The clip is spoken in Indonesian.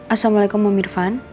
assalamualaikum om irfan